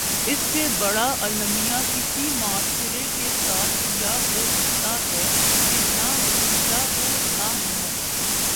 اس سے بڑا المیہ کسی معاشرے کے ساتھ کیا ہو سکتاہے کہ نہ وسیلہ ہو نہ ہمت۔